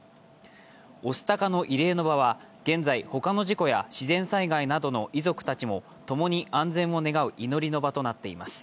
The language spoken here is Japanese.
御巣鷹の慰霊の場は現在、他の事故や自然災害などの遺族たちも共に安全を願う祈りの場となっています。